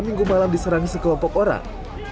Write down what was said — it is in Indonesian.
minggu malam diserang sekelompok orang